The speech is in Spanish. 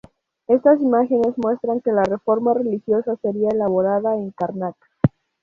Estas imágenes muestran que la reforma religiosa sería elaborada en Karnak.